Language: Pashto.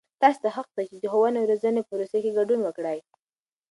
تاسې ته حق دی چې د ښووني او روزنې پروسې کې ګډون وکړئ.